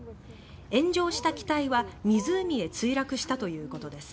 炎上した機体は湖へ墜落したということです。